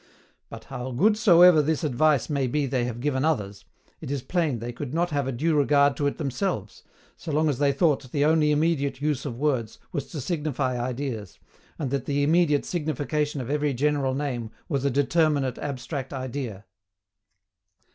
But, how good soever this advice may be they have given others, it is plain they could not have a due regard to it themselves, so long as they thought the only immediate use of words was to signify ideas, and that the immediate signification of every general name was a DETERMINATE ABSTRACT IDEA.